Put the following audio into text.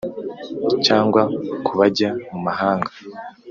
cyangwa ku bajya mu mahanga